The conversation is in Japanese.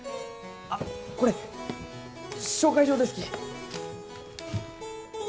あこれ紹介状ですき！